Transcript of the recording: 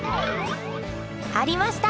ありました！